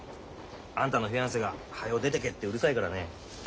あんたのフィアンセが「早う出てけ」ってうるさいからねえ。